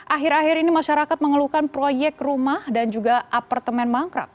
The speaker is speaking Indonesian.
akhir akhir ini masyarakat mengeluhkan proyek rumah dan juga apartemen mangkrak